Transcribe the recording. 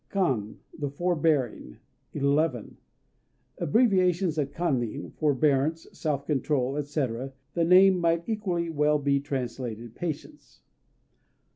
Kan ("The Forbearing") 11 Abbreviation of kannin, "forbearance," "self control," etc. The name might equally well be translated "Patience."